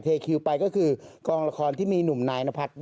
เทคิวไปก็คือกล้องละครที่มีหนุ่มนายนภัทร